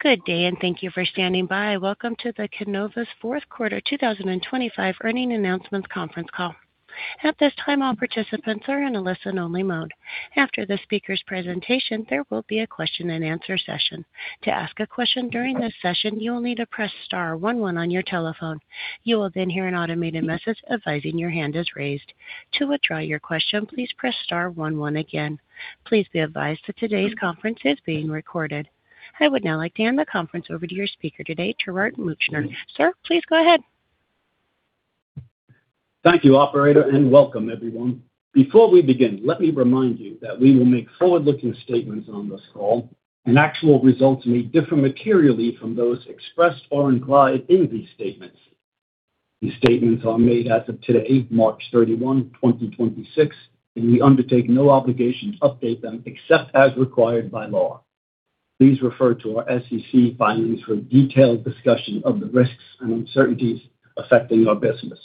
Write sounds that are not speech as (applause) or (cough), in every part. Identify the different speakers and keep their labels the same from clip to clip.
Speaker 1: Good day, and thank you for standing by. Welcome to the Keenova's fourth quarter 2025 earnings announcement conference call. At this time, all participants are in a listen-only mode. After the speaker's presentation, there will be a question-and-answer session. To ask a question during this session, you will need to press star one one on your telephone. You will then hear an automated message advising your hand is raised. To withdraw your question, please press star one one again. Please be advised that today's conference is being recorded. I would now like to hand the conference over to your speaker today, Gerard Meuchner. Sir, please go ahead.
Speaker 2: Thank you, operator, and welcome everyone. Before we begin, let me remind you that we will make forward-looking statements on this call and actual results may differ materially from those expressed or implied in these statements. These statements are made as of today, March 31 2026, and we undertake no obligation to update them except as required by law. Please refer to our SEC filings for a detailed discussion of the risks and uncertainties affecting our business.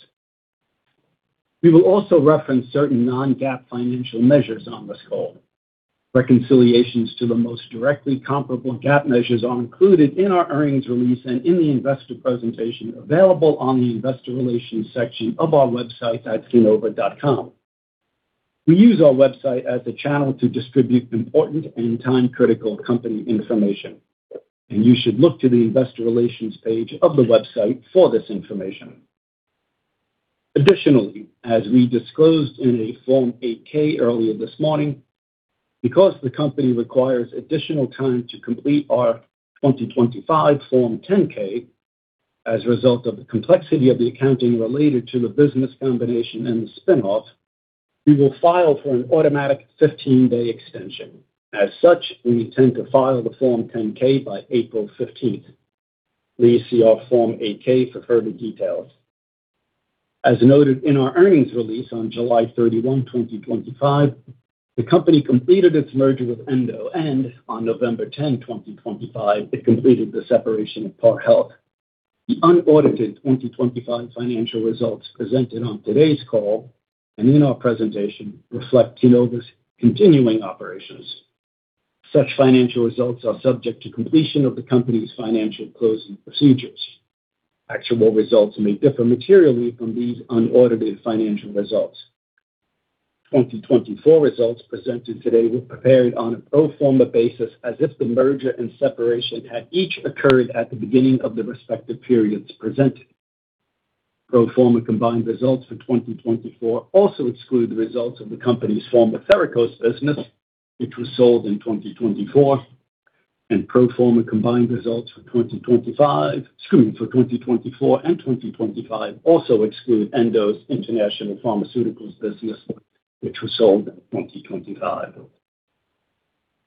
Speaker 2: We will also reference certain non-GAAP financial measures on this call. Reconciliations to the most directly comparable GAAP measures are included in our earnings release and in the investor presentation available on the investor relations section of our website at keenova.com. We use our website as a channel to distribute important and time-critical company information, and you should look to the investor relations page of the website for this information. Additionally, as we disclosed in a Form 8-K earlier this morning, because the company requires additional time to complete our 2025 Form 10-K as a result of the complexity of the accounting related to the business combination and the spin-off, we will file for an automatic 15 day extension. As such, we intend to file the Form 10-K by April 15. Please see our Form 8-K for further details. As noted in our earnings release on July 31 2025, the company completed its merger with Endo, and on November 10 2025, it completed the separation of Par Health. The unaudited 2025 financial results presented on today's call and in our presentation reflect Keenova's continuing operations. Such financial results are subject to completion of the company's financial closing procedures. Actual results may differ materially from these unaudited financial results. 2024 results presented today were prepared on a pro forma basis as if the merger and separation had each occurred at the beginning of the respective periods presented. Pro forma combined results for 2024 also exclude the results of the company's former Therakos business, which was sold in 2024. Pro forma combined results for 2025, excuse me, for 2024 and 2025 also exclude Endo's International Pharmaceuticals business, which was sold in 2025.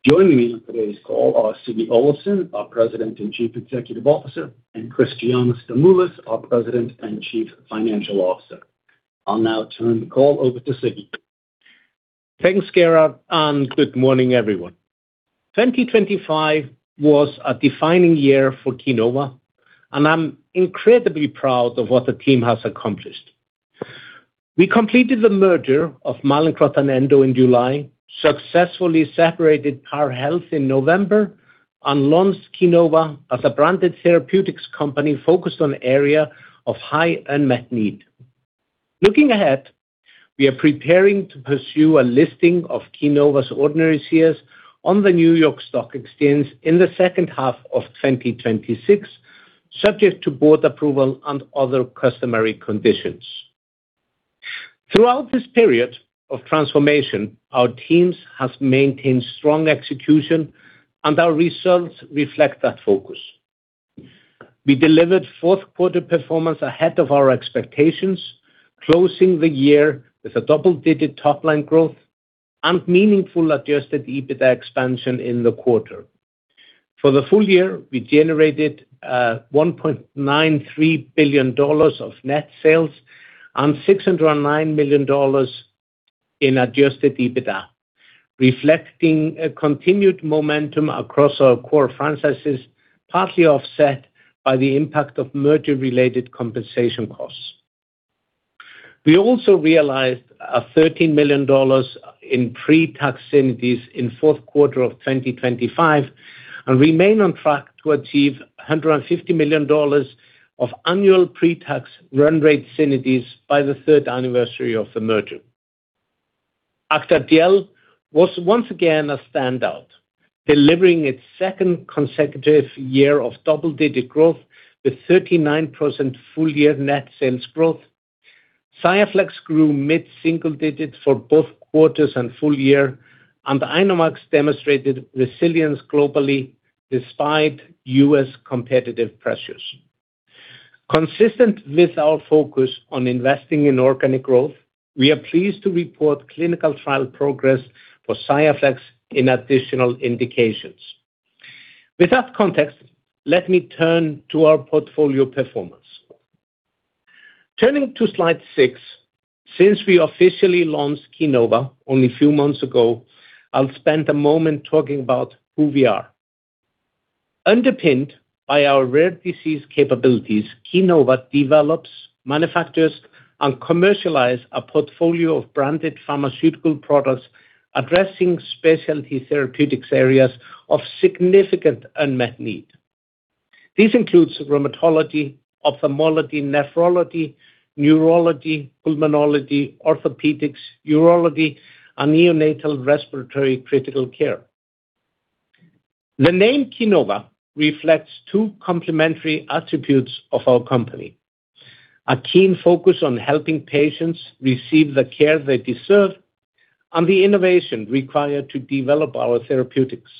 Speaker 2: Joining me on today's call are Siggi Olafsson, our President and Chief Executive Officer, and Christiana Stamoulis, our President and Chief Financial Officer. I'll now turn the call over to Siggi.
Speaker 3: Thanks, Gerard, and good morning, everyone. 2025 was a defining year for Keenova, and I'm incredibly proud of what the team has accomplished. We completed the merger of Mallinckrodt and Endo in July, successfully separated Par Health in November, and launched Keenova as a branded therapeutics company focused on area of high unmet need. Looking ahead, we are preparing to pursue a listing of Keenova's ordinary shares on the New York Stock Exchange in the second half of 2026, subject to board approval and other customary conditions. Throughout this period of transformation, our teams have maintained strong execution, and our results reflect that focus. We delivered fourth quarter performance ahead of our expectations, closing the year with a double-digit top-line growth and meaningful adjusted EBITDA expansion in the quarter. For the full year, we generated $1.93 billion of net sales and $609 million in adjusted EBITDA, reflecting a continued momentum across our core franchises, partly offset by the impact of merger-related compensation costs. We also realized $13 million in pre-tax synergies in fourth quarter of 2025 and remain on track to achieve $150 million of annual pre-tax run rate synergies by the third anniversary of Acthar Gel was once again a standout, delivering its second consecutive year of double-digit growth with 39% full-year net sales growth. XIAFLEX grew mid-single digits for both quarters and full year, and INOmax demonstrated resilience globally despite U.S. competitive pressures. Consistent with our focus on investing in organic growth, we are pleased to report clinical trial progress for XIAFLEX in additional indications. With that context, let me turn to our portfolio performance. Turning to slide six, since we officially launched Keenova only a few months ago, I'll spend a moment talking about who we are. Underpinned by our rare disease capabilities, Keenova develops, manufactures, and commercialize a portfolio of branded pharmaceutical products addressing specialty therapeutics areas of significant unmet need. This includes rheumatology, ophthalmology, nephrology, neurology, pulmonology, orthopedics, urology, and neonatal respiratory critical care. The name Keenova reflects two complementary attributes of our company. A keen focus on helping patients receive the care they deserve, and the innovation required to develop our therapeutics.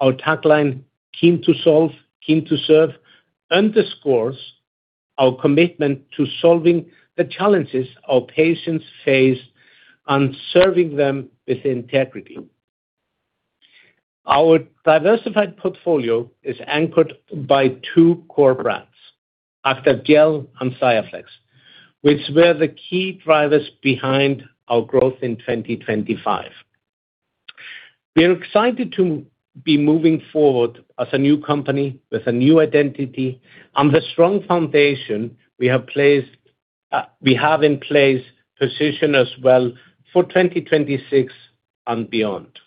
Speaker 3: Our tagline, "Keen to solve, keen to serve," underscores our commitment to solving the challenges our patients face and serving them with integrity. Our diversified portfolio is anchored by Acthar Gel and XIAFLEX, which were the key drivers behind our growth in 2025. We are excited to be moving forward as a new company with a new identity and the strong foundation we have in place position us well for 2026 and beyond.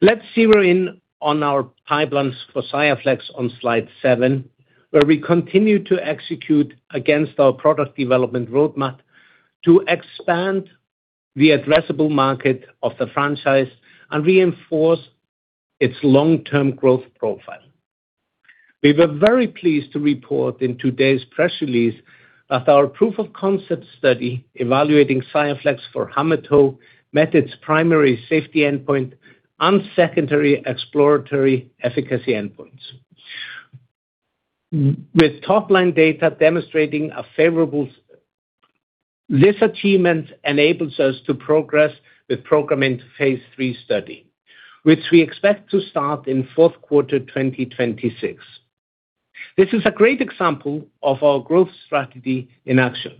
Speaker 3: Let's zero in on our pipelines for XIAFLEX on slide seven, where we continue to execute against our product development roadmap to expand the addressable market of the franchise and reinforce its long-term growth profile. We were very pleased to report in today's press release that our proof of concept study evaluating XIAFLEX for hammertoe met its primary safety endpoint and secondary exploratory efficacy endpoints with top-line data demonstrating a favorable s. This achievement enables us to progress the program into phase III study, which we expect to start in fourth quarter 2026. This is a great example of our growth strategy in action,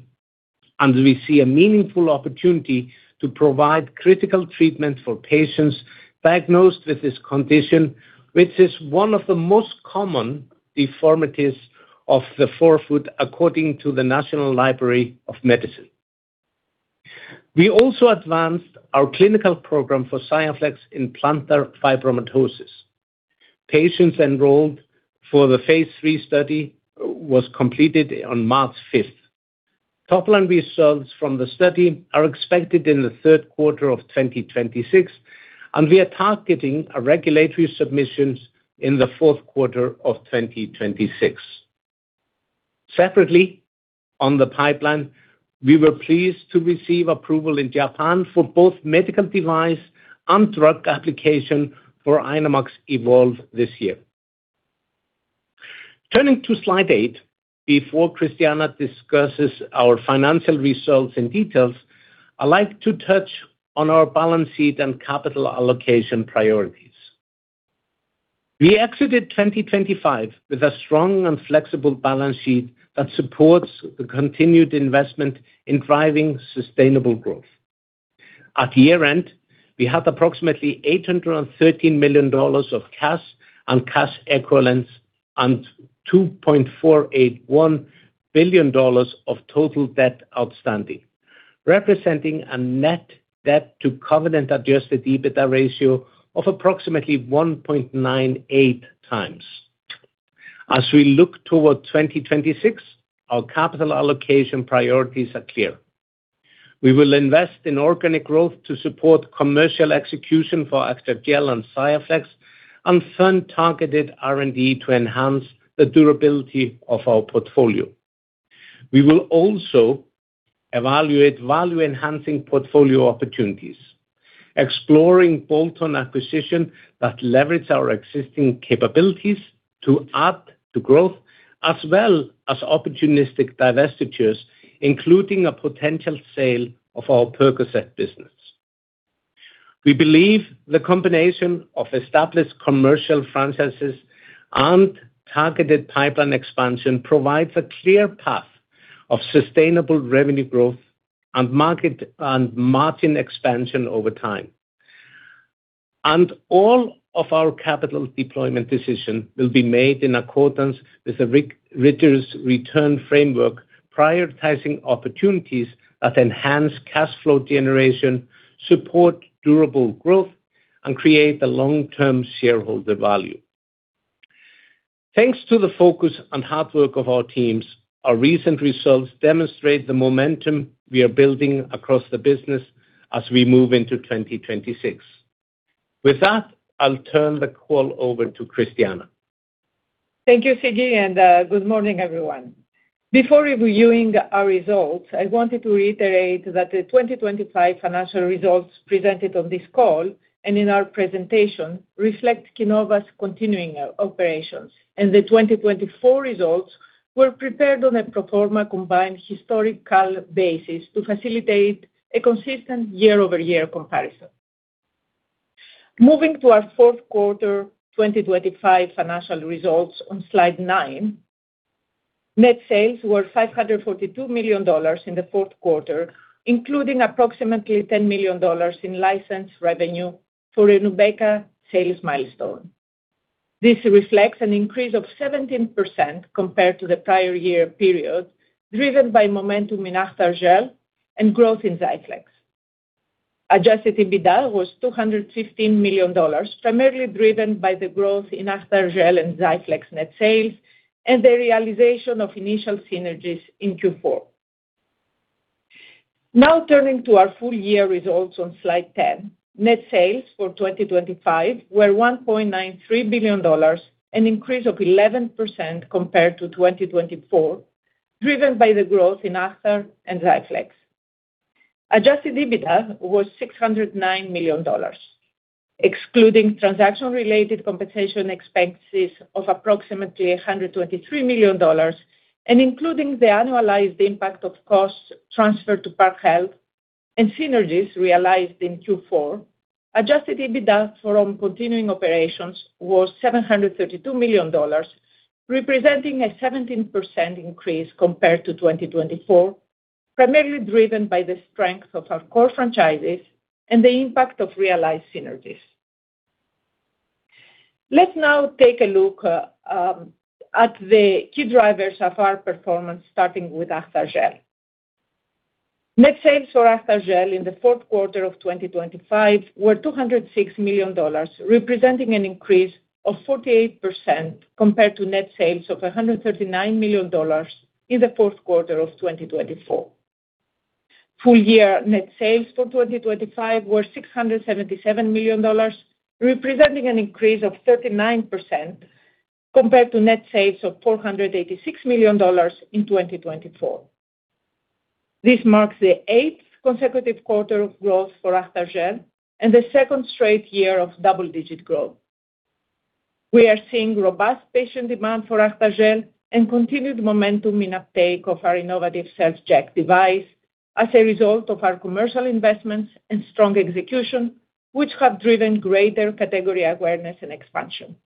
Speaker 3: and we see a meaningful opportunity to provide critical treatment for patients diagnosed with this condition, which is one of the most common deformities of the forefoot, according to the National Library of Medicine. We also advanced our clinical program for XIAFLEX in plantar fibromatosis. Patient enrollment for the phase III study was completed on March 5th. Top-line results from the study are expected in the third quarter of 2026, and we are targeting a regulatory submission in the fourth quarter of 2026. Separately, on the pipeline, we were pleased to receive approval in Japan for both medical device and drug application for INOmax Evolve this year. Turning to slide eight, before Christiana discusses our financial results in detail, I'd like to touch on our balance sheet and capital allocation priorities. We exited 2025 with a strong and flexible balance sheet that supports the continued investment in driving sustainable growth. At year-end, we had approximately $813 million of cash and cash equivalents and $2.481 billion of total debt outstanding, representing a net debt to covenant adjusted EBITDA ratio of approximately 1.98x. As we look toward 2026, our capital allocation priorities are clear. We will invest in organic growth to support Acthar Gel and XIAFLEX and fund targeted R&D to enhance the durability of our portfolio. We will also evaluate value-enhancing portfolio opportunities, exploring bolt-on acquisitions that leverage our existing capabilities to add to growth, as well as opportunistic divestitures, including a potential sale of our PERCOCET business. We believe the combination of established commercial franchises and targeted pipeline expansion provides a clear path of sustainable revenue growth and market, and margin expansion over time. All of our capital deployment decision will be made in accordance with a rigorous return framework, prioritizing opportunities that enhance cash flow generation, support durable growth, and create a long-term shareholder value. Thanks to the focus and hard work of our teams, our recent results demonstrate the momentum we are building across the business as we move into 2026. With that, I'll turn the call over to Christiana.
Speaker 4: Thank you, Siggi, and good morning, everyone. Before reviewing our results, I wanted to reiterate that the 2025 financial results presented on this call and in our presentation reflect Keenova's continuing operations, and the 2024 results were prepared on a pro forma combined historical basis to facilitate a consistent year-over-year comparison. Moving to our fourth quarter 2025 financial results on slide nine. Net sales were $542 million in the fourth quarter, including approximately $10 million in license revenue for a Novavax sales milestone. This reflects an increase of 17% compared to the prior year period, driven by Acthar Gel and growth in XIAFLEX. Adjusted EBITDA was $215 million, primarily driven by the Acthar Gel and XIAFLEX net sales and the realization of initial synergies in Q4. Now turning to our full year results on slide 10. Net sales for 2025 were $1.93 billion, an increase of 11% compared to 2024, driven by the growth in Acthar and XIAFLEX. Adjusted EBITDA was $609 million, excluding transaction-related compensation expenses of approximately $123 million and including the annualized impact of costs transferred to Par Health and synergies realized in Q4. Adjusted EBITDA from continuing operations was $732 million, representing a 17% increase compared to 2024, primarily driven by the strength of our core franchises and the impact of realized synergies. Let's now take a look at the key drivers of our performance, starting with Acthar Gel. Net Acthar Gel in the fourth quarter of 2025 were $206 million, representing an increase of 48% compared to net sales of $139 million in the fourth quarter of 2024. Full year net sales for 2025 were $677 million, representing an increase of 39% compared to net sales of $486 million in 2024. This marks the eighth consecutive quarter of Acthar Gel and the second straight year of double-digit growth. We are seeing robust patient Acthar Gel and continued momentum in uptake of our innovative SelfJect device as a result of our commercial investments and strong execution, which have driven greater category awareness and expansion.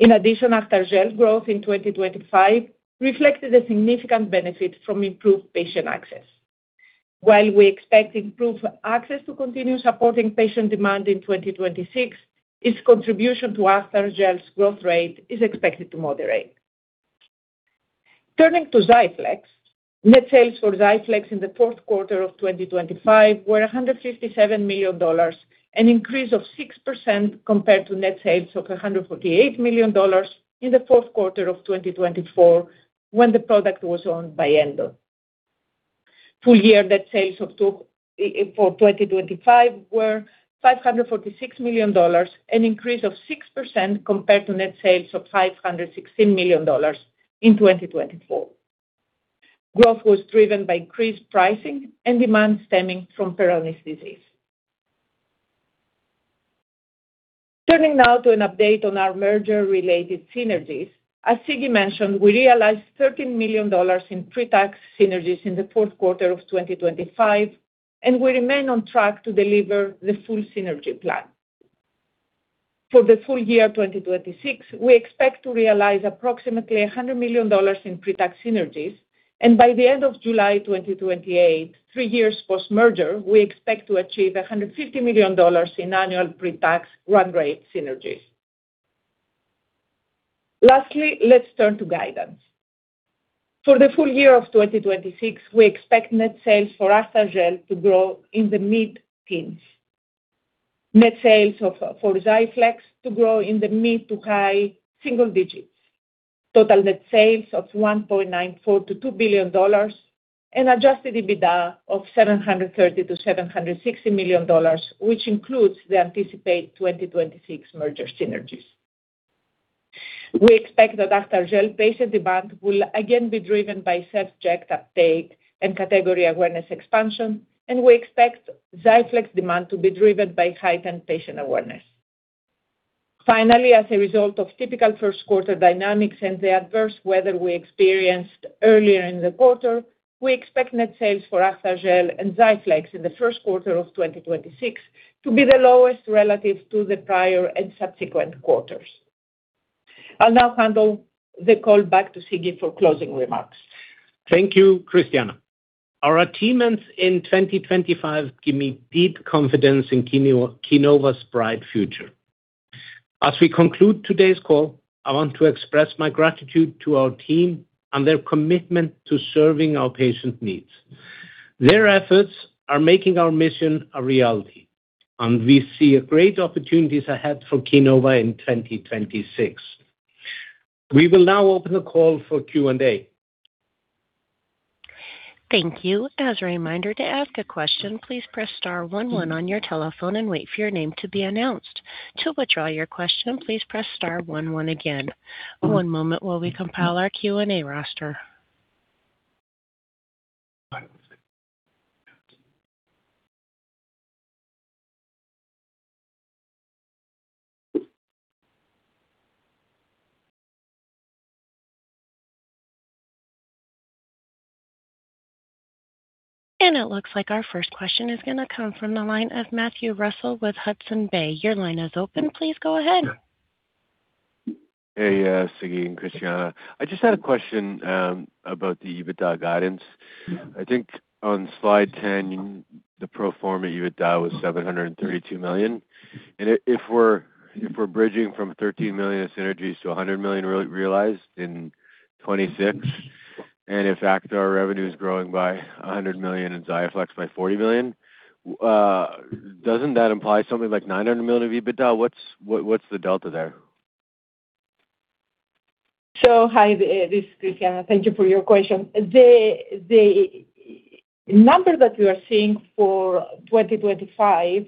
Speaker 4: Acthar Gel growth in 2025 reflected a significant benefit from improved patient access. While we expect improved access to continue supporting patient demand in 2026, its Acthar Gel's growth rate is expected to moderate. Turning to XIAFLEX. Net sales for XIAFLEX in the fourth quarter of 2025 were $157 million, an increase of 6% compared to net sales of $148 million in the fourth quarter of 2024 when the product was owned by Endo. Full year net sales for 2025 were $546 million, an increase of 6% compared to net sales of $516 million in 2024. Growth was driven by increased pricing and demand stemming from Peyronie's disease. Turning now to an update on our merger-related synergies. As Siggi mentioned, we realized $13 million in pre-tax synergies in the fourth quarter of 2025, and we remain on track to deliver the full synergy plan. For the full year 2026, we expect to realize approximately $100 million in pre-tax synergies, and by the end of July 2028, three years post-merger, we expect to achieve $150 million in annual pre-tax run rate synergies. Lastly, let's turn to guidance. For the full year 2026, we expect net Acthar Gel to grow in the mid-teens%, net sales for XIAFLEX to grow in the mid- to high-single digits%, total net sales of $1.94 billion-$2 billion and adjusted EBITDA of $730 million-$760 million, which includes the anticipated 2026 merger synergies. We Acthar Gel patient demand will again be driven by SelfJect uptake and category awareness expansion, and we expect XIAFLEX demand to be driven by heightened patient awareness. Finally, as a result of typical first quarter dynamics and the adverse weather we experienced earlier in the quarter, we expect net Acthar Gel and XIAFLEX in the first quarter of 2026 to be the lowest relative to the prior and subsequent quarters. I'll now hand over the call back to Siggi for closing remarks.
Speaker 3: Thank you, Christiana. Our achievements in 2025 give me deep confidence in Keenova's bright future. As we conclude today's call, I want to express my gratitude to our team and their commitment to serving our patient needs. Their efforts are making our mission a reality, and we see great opportunities ahead for Keenova in 2026. We will now open the call for Q&A.
Speaker 1: Thank you. As a reminder to ask a question, please press star one one on your telephone and wait for your name to be announced. To withdraw your question, please press star one one again. One moment while we compile our Q&A roster. It looks like our first question is gonna come from the line of Matthew Russell with Hudson Bay. Your line is open. Please go ahead.
Speaker 5: Hey, Siggi and Christiana. I just had a question about the EBITDA guidance. I think on slide 10, the pro forma EBITDA was $732 million. If we're bridging from $13 million synergies to $100 million realized in 2026, and if Acthar revenue is growing by $100 million and XIAFLEX by $40 million, doesn't that imply something like $900 million of EBITDA? What's the delta there?
Speaker 4: Hi, this is Christiana. Thank you for your question. The number that you are seeing for 2025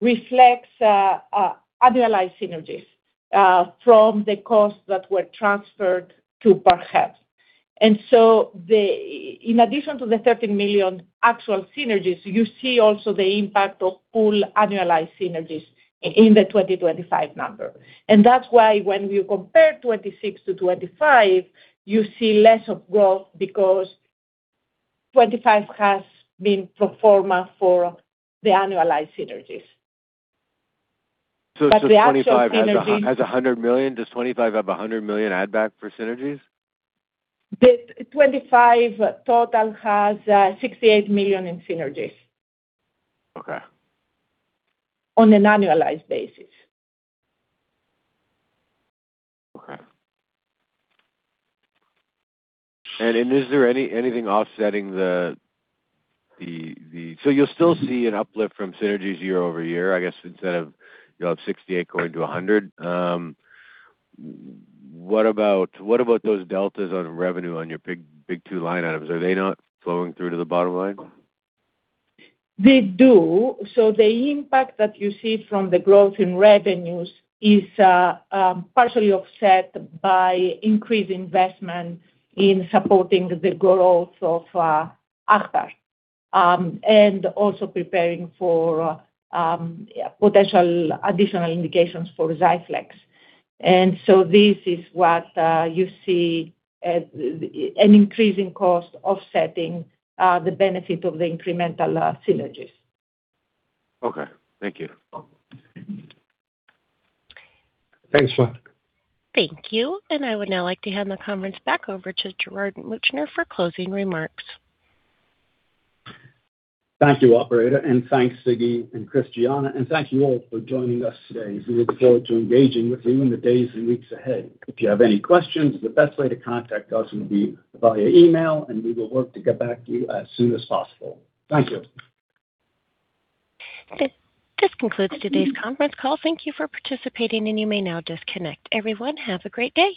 Speaker 4: reflects annualized synergies from the costs that were transferred to Par Health. In addition to the $13 million actual synergies, you see also the impact of full annualized synergies in the 2025 number. That's why when we compare 2026 to 2025, you see less of growth because 2025 has been pro forma for the annualized synergies.
Speaker 5: So- (crosstalk)
Speaker 4: The actual synergies.
Speaker 5: 2025 has $100 million. Does 2025 have $100 million add back for synergies?
Speaker 4: The 25 total has $68 million in synergies.
Speaker 5: Okay.
Speaker 4: On an annualized basis.
Speaker 5: Okay. Is there anything offsetting? You'll still see an uplift from synergies year-over-year, I guess, instead of, you know, 68 going to 100. What about those deltas on revenue on your big two line items? Are they not flowing through to the bottom line?
Speaker 4: They do. The impact that you see from the growth in revenues is partially offset by increased investment in supporting the growth of Acthar and also preparing for potential additional indications for XIAFLEX. This is what you see as an increasing cost offsetting the benefit of the incremental synergies.
Speaker 5: Okay. Thank you.
Speaker 4: Thanks a lot.
Speaker 1: Thank you. I would now like to hand the conference back over to Gerard Meuchner for closing remarks.
Speaker 2: Thank you, operator, and thanks Siggi and Christiana, and thank you all for joining us today. We look forward to engaging with you in the days and weeks ahead. If you have any questions, the best way to contact us would be via email, and we will work to get back to you as soon as possible. Thank you.
Speaker 1: This concludes today's conference call. Thank you for participating, and you may now disconnect. Everyone, have a great day.